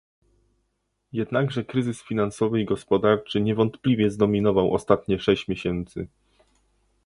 Jednakże kryzys finansowy i gospodarczy niewątpliwie zdominował ostatnie sześć miesięcy